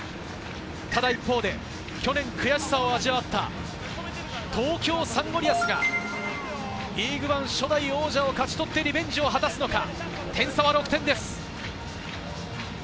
ただ一方で去年、悔しさを味わった東京サンゴリアス、リーグワン初代王者を勝ち取ってリベンジを果たすのか？